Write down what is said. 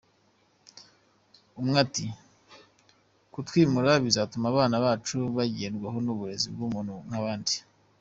Umwe ati “Kutwimura bizatuma abana bacu bagerwaho n’uburezi bw’ubuntu nk’abandi.